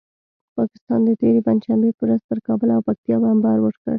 پاکستان د تېرې پنجشنبې په ورځ پر کابل او پکتیکا بمبار وکړ.